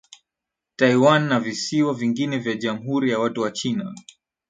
Taiwan na visiwa vingine vya Jamhuri ya watu wa China